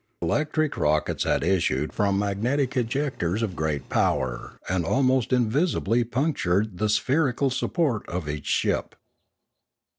Electric rockets had issued from magnetic ejectors of great power and almost invisibly punctured the spherical supporter of each airship.